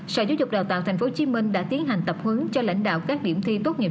sở giáo dục đào tạo tp hcm đã tiến hành tập huấn cho lãnh đạo các điểm thi tốt nghiệp